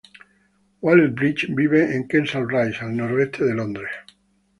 Waller-Bridge vive en Kensal Rise, al noroeste de Londres.